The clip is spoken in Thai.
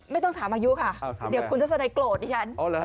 ไม่ต้องถามอายุค่ะเดี๋ยวคุณทัศนัยโกรธดิฉัน